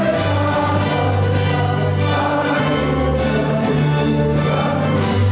hidup tanahku berdekatan bangsa bangsa bangsa bangsa bangsa